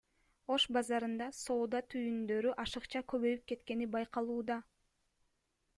Ош базарында соода түйүндөрү ашыкча көбөйүп кеткени байкалууда.